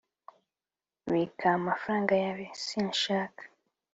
bika amafaranga yawe. sinshaka